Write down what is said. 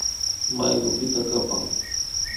Maykupita kapan